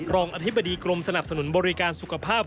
รองอธิบดีกรมสนับสนุนบริการสุขภาพ